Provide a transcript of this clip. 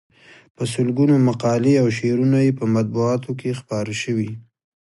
په سلګونو مقالې او شعرونه یې په مطبوعاتو کې خپاره شوي.